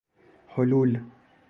حلول